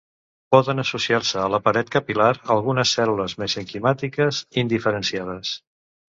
Poden associar-se a la paret capil·lar algunes cèl·lules mesenquimàtiques indiferenciades.